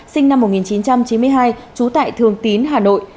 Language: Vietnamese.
sinh năm một nghìn chín trăm chín mươi hai trú tại thường tín hà nội